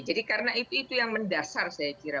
jadi karena itu yang mendasar saya kira